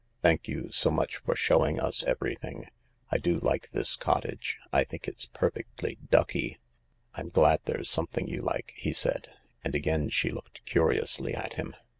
Thank you so much for showing us everything, I do like this cottage — I think it's perfectly ducky." " I'm glad there's something you like," he said ; and again she looked curiously at him.